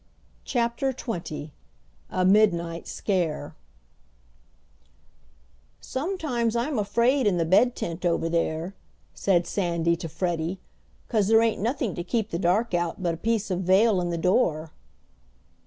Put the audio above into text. CHAPTER XX A MIDNIGHT SCARE "Sometimes I'm afraid in the bed tent over there," said Sandy to Freddie. "'Cause there ain't nothing to keep the dark out but a piece of veil in the door."